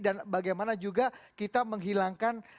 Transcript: dan bagaimana juga kita menghilangkan